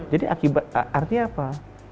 jadi artinya apa